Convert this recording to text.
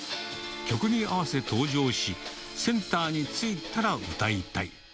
曲に合わせ登場し、センターに着いたら歌いたい。